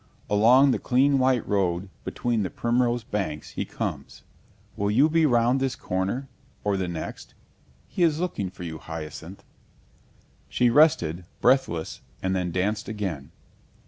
Along the clean white road, between the primrose banks, he comes. Will you be round this corner? or the next? He is looking for you, Hyacinth. (She rested, breathless, and then danced again.)